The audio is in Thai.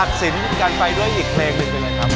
ตัดสินกันไปด้วยอีกเพลงหนึ่งหน่อยครับ